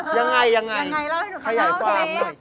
ยังไง